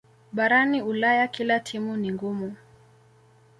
barani ulaya kila timu ni ngumu